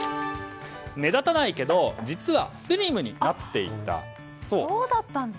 目立たないけど実はスリムになっていた。